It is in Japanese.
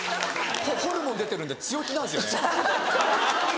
ホルモン出てるんで強気なんですよね。